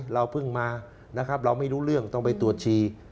เราเพิ่งมานะครับเราไม่รู้เรื่องต้องไปตรวจฉี่